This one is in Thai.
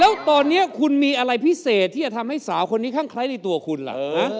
แล้วตอนนี้คุณมีอะไรพิเศษที่จะทำให้สาวคนนี้ข้างคล้ายในตัวคุณล่ะ